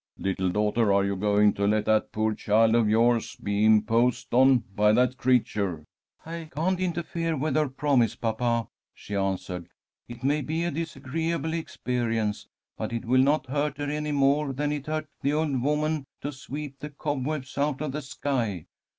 "Little daughter, are you going to let that poor child of yours be imposed on by that creature?" "I can't interfere with her promise, papa," she answered. "It may be a disagreeable experience, but it will not hurt her any more than it hurt the old woman to sweep the cobwebs out of the sky.